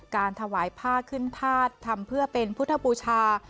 การถวายผ้าขึ้นพาดทำเพื่อเป็นพุทธบูชา